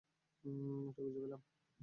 এটা খুঁজে পেলাম।